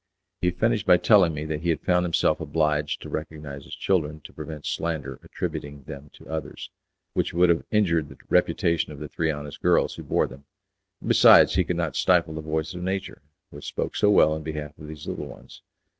He finished by telling me that he had found himself obliged to recognize his children to prevent slander attributing them to others, which would have injured the reputation of the three honest girls who bore them; and besides he could not stifle the voice of nature, which spoke so well on behalf of these little ones.